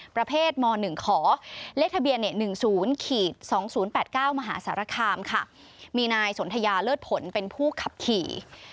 ประเภทม๑ขอเลขทะเบียน๑๐๒๐๘๙มหาสารคามค่ะมีนายสนทยาเลิศผลเป็นผู้ขับขี่